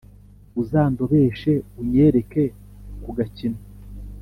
Uzandobeshe unyereke ku gakino